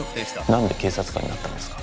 なんで警察官になったんですか？